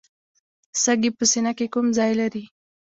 سږي په سینه کې کوم ځای لري